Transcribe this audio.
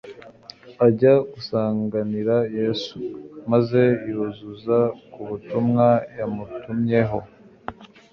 ajya gusanganira Yesu, maze yuzuza ku butumwa yamutumyeho